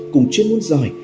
cùng chuyên môn giỏi